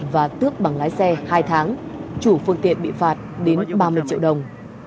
và tước bằng lái xe hai tháng chủ phương tiện bị phạt đến ba mươi triệu đồng